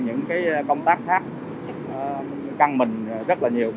những công tác khác căng mình rất nhiều